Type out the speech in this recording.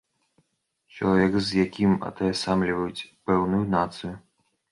Чалавек, з якім атаясамліваюць пэўную нацыю.